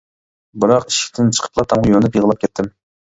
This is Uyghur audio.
بىراق ئىشىكتىن چىقىپلا، تامغا يۆلىنىپ يىغلاپ كەتتىم.